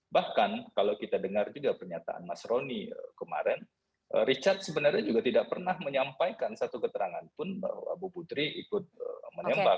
bahkan kalau kita dengar juga pernyataan mas roni kemarin richard sebenarnya juga tidak pernah menyampaikan satu keterangan pun bahwa bu putri ikut menembak